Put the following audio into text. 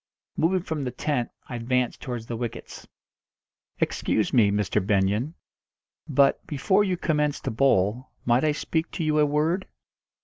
Moving from the tent, I advanced towards the wickets. "Excuse me, Mr. Benyon, but before you commence to bowl might I speak to you a word?"